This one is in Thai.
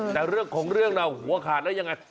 แต่เรื่องของเรื่องนะหัวขาดแล้วยังไง